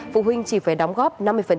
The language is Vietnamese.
phụ huynh chỉ phải đóng góp năm mươi